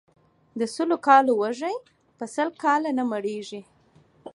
د سلو کالو وږى ، په سل کاله نه مړېږي.